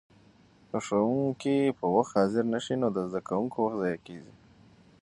که ښوونکي په وخت حاضر نه شي نو د زده کوونکو وخت ضایع کېږي.